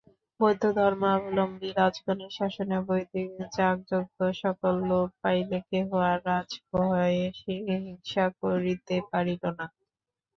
বৌদ্ধধর্মাবলম্বী রাজগণের শাসনে বৈদিক যাগযজ্ঞসকল লোপ পাইলে কেহ আর রাজভয়ে হিংসা করিতে পারিল না।